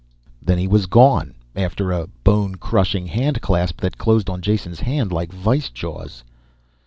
Then he was gone, after a bone crushing handclasp that closed on Jason's hand like vise jaws.